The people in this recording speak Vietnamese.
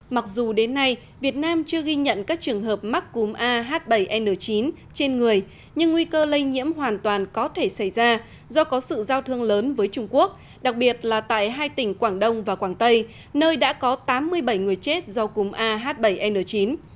mặc dù đến nay việt nam chưa ghi nhận các trường hợp mắc cúm ah bảy n chín trên người nhưng nguy cơ lây nhiễm hoàn toàn có thể xảy ra do có sự giao thương lớn với trung quốc đặc biệt là tại hai tỉnh quảng đông và quảng tây nơi đã có tám mươi bảy người chết do cúm ah bảy n chín